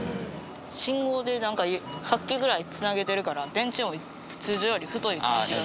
信号でなんか８基ぐらいつなげてるから電柱も通常より太い感じが。